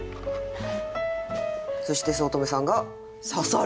そして五月女さんが「刺さる」。